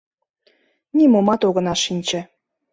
Нимомат огына шинче.